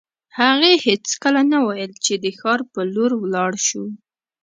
هغې هېڅکله نه ویل چې د ښار په لور ولاړ شو